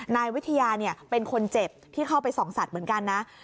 นายวิทยาเป็นคนเจ็บที่เข้าไปส่องสัตว์เหมือนกันนะ